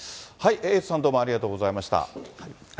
エイトさん、ありがとうございました。